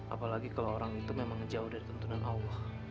apalagi kalau orang itu memang jauh dari tuntunan allah